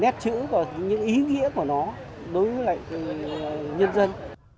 nét chữ và những ý nghĩa của nó đối với lại nhân dân